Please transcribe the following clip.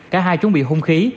cả hai chuẩn bị hung khí